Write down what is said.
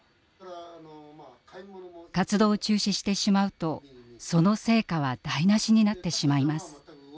活動を中止してしまうとその成果は台なしになってしまいます。